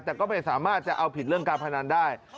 แต่ก็ไม่สามารถจะเอาผิดเรื่องการพนันได้